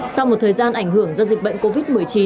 sau một thời gian ảnh hưởng do dịch bệnh covid một mươi chín